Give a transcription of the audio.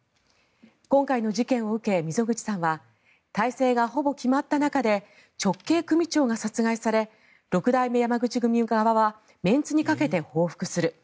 今回の事件を受け溝口さんは大勢がほぼ決まった中で直系組長が殺害され六代目山口組側はメンツにかけて報復する。